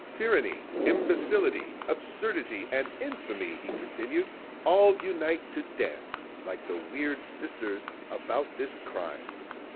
"Tyranny, imbecility, absurdity, and infamy," he continued, "all unite to dance, like the weird sisters, about this crime."